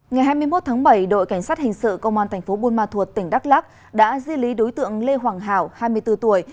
ngày hai mươi một tháng bảy đội cảnh sát hình sự công an thành phố buôn ma thuột tỉnh đắk lắc đã di lý đối tượng lê hoàng hảo hai mươi bốn tuổi